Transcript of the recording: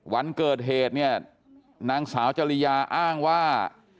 วันเกิดเหตุเนี่ยนางสาวจริยาอ้างว่า